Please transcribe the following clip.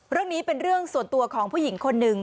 เรื่องนี้เป็นเรื่องส่วนตัวของผู้หญิงคนหนึ่ง